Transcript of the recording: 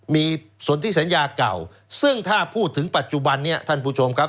มีส่วนที่สัญญาเก่าซึ่งถ้าพูดถึงปัจจุบันนี้ท่านผู้ชมครับ